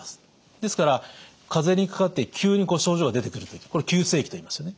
ですから風邪にかかって急に症状が出てくる時これ急性期といいますよね。